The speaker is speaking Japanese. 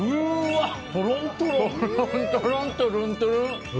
とろんとろんとぅるんとぅるん！